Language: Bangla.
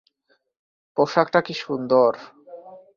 পোশাকটা কী সুন্দর!